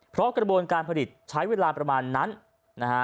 เพราะกระบวนการผลิตใช้เวลาประมาณนั้นนะฮะ